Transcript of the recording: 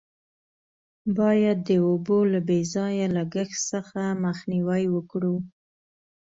باید د اوبو له بې ځایه لگښت څخه مخنیوی وکړو.